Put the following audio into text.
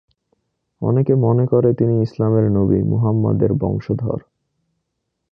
অনেকে মনে করে তিনি ইসলামের নবী মুহাম্মদ-এর বংশধর।